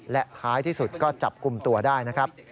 และท้ายที่สุดก็จับกลุ่มตัวได้นะครับ